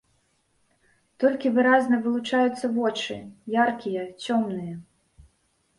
Толькі выразна вылучаюцца вочы, яркія, цёмныя.